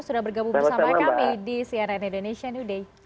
sudah bergabung bersama kami di cnn indonesia new day